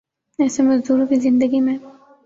یسے مزدوروں کی زندگی میں